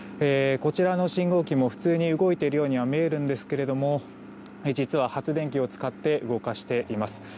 こちらの信号機も普通に動いているようには見えるんですけれども実は発電機を使って動かしています。